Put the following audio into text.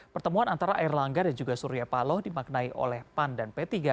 pertemuan antara air langga dan juga surya paloh dimaknai oleh pan dan p tiga